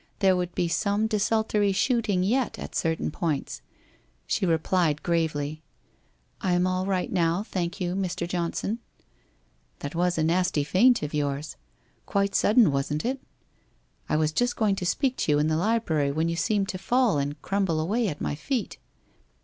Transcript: There would be some desultory shooting yet at certain points. She replied gravely: ' I am all right now, thank you, Mr. Johnson/ * That was a nasty faint of yours. Quite sudden, wasn't it? I was just going to speak to you in the library when you seemed to fall and crumble away at my feet.'